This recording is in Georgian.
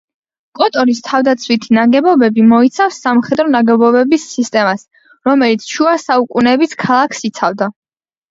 კოტორის თავდაცვითი ნაგებობები მოიცავს სამხედრო ნაგებობების სისტემას, რომელიც შუა საუკუნეების ქალაქს იცავდა.